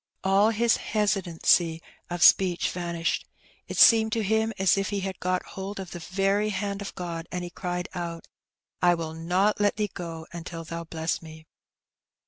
All his hesitancy of speech vanished. It seemed to him as if he had got hold of the very hand of God, and he cried out, '^I will not let Thee go until Thou bless me."